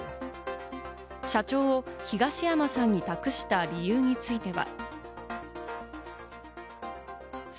社長を東山さんに託した理由については。